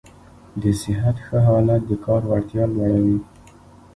د صحت ښه حالت د کار وړتیا لوړوي.